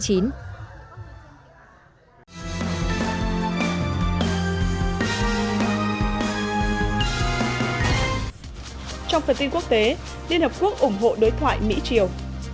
trong phần tin quốc tế liên hợp quốc ủng hộ đối thoại mỹ triều